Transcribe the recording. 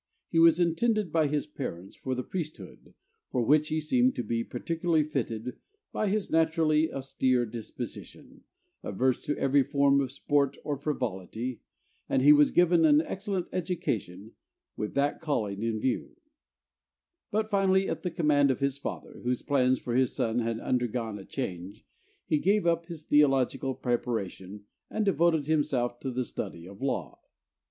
He was intended by his parents for the priesthood, for which he seemed to be peculiarly fitted by his naturally austere disposition, averse to every form of sport or frivolity, and he was given an excellent education with that calling in view; but finally at the command of his father whose plans for his son had undergone a change he gave up his theological preparation and devoted himself to the study of law.